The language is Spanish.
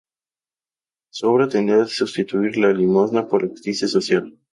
Su obra tendió a sustituir la limosna por la justicia social.